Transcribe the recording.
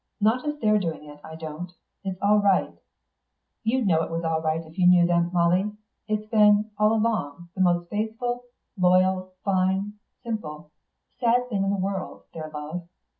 "Not as they're doing it, I don't. It's all right. You'd know it was all right if you knew them, Molly. It's been, all along, the most faithful, loyal, fine, simple, sad thing in the world, their love.